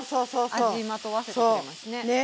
味まとわせてくれますね。ね。